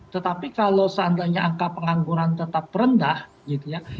tetapi kalau seandainya angka pengangguran tetap rendah gitu ya